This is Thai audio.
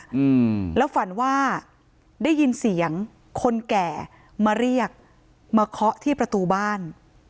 อืมแล้วฝันว่าได้ยินเสียงคนแก่มาเรียกมาเคาะที่ประตูบ้าน